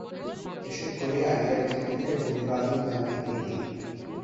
এসব করেই আলিয়ার অতিথিদের অভিবাদন জানায় এডি।